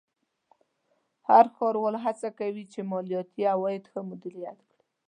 هر ښاروال هڅه کوي چې مالیاتي عواید ښه مدیریت کړي.